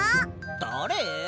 だれ？